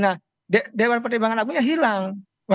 nah dewan pertimbangan agung bpk dan lain lain itu setara